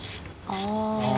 ああ。